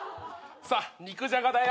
さっ肉じゃがだよ。